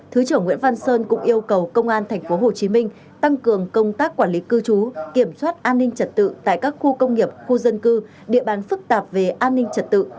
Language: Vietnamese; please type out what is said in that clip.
thứ trưởng nguyễn văn sơn cũng yêu cầu công an tp hcm tăng cường công tác quản lý cư trú kiểm soát an ninh trật tự tại các khu công nghiệp khu dân cư địa bàn phức tạp về an ninh trật tự